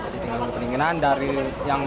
tinggal tunggu pendinginan